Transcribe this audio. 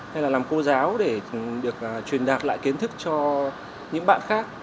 hay là làm cô giáo để được truyền đạt lại kiến thức cho những bạn khác